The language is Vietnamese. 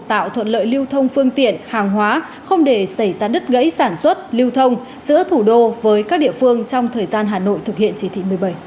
tạo thuận lợi lưu thông phương tiện hàng hóa không để xảy ra đứt gãy sản xuất lưu thông giữa thủ đô với các địa phương trong thời gian hà nội thực hiện chỉ thị một mươi bảy